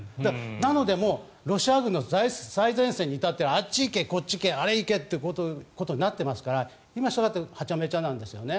なので、もうロシア軍の最前線にいたってはあっち行け、こっち行けあれ行けということになっていますからハチャメチャなんですよね。